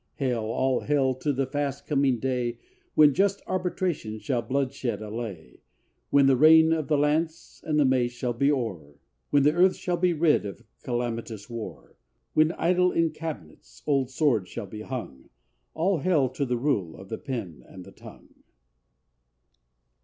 Hail, all hail, to the fast coming day When just arbitration shall bloodshed allay; When the reign of the lance And the mace shall be o'er; When the earth shall be rid Of calamitous war; When idle in cab'nets Old swords shall be hung; All hail to the rule Of the pen and the tongue